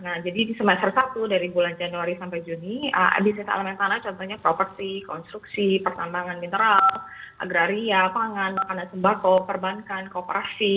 nah jadi di semester satu dari bulan januari sampai juni bisnis elemen tanah contohnya properti konstruksi pertambangan mineral agraria pangan makanan sembako perbankan kooperasi